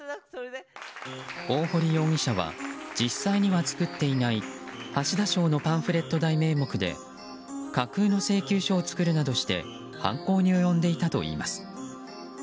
大堀容疑者は実際には作っていない橋田賞のパンフレット代名目で架空の請求書を作るなどして犯行に及んでいたといいます。